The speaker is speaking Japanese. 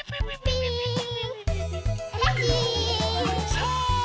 さあ！